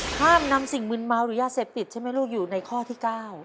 ห้ามนำสิ่งมืนเมาหรือยาเสพติดใช่ไหมลูกอยู่ในข้อที่๙